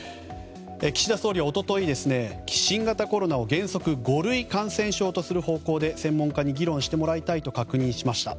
岸田総理は一昨日、新型コロナを原則、五類感染症とする方向で専門家に議論してもらいたいと確認しました。